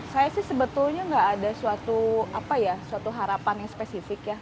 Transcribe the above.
saya sih sebetulnya nggak ada suatu harapan yang spesifik ya